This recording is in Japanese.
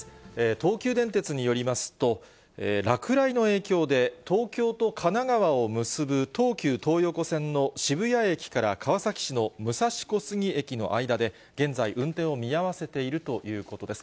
東急電鉄によりますと、落雷の影響で、東京と神奈川を結ぶ東急東横線の渋谷駅から川崎市の武蔵小杉駅の間で、現在、運転を見合わせているということです。